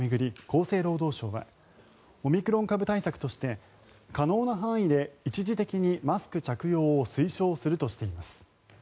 厚生労働省はオミクロン株対策として可能な範囲で一時的にマスク着用を推奨するとしています。